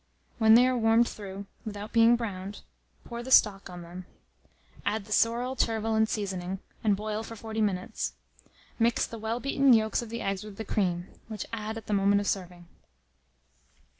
When they are warmed through, without being browned, pour the stock on them. Add the sorrel, chervil, and seasoning, and boil for 40 minutes. Mix the well beaten yolks of the eggs with the cream, which add at the moment of serving.